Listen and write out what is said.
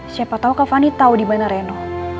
siapa tau kak fani tau dimana reno